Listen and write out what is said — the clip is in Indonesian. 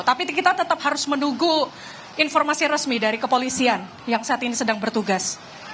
tapi kita tetap harus menunggu informasi resmi dari kepolisian yang saat ini sedang bertugas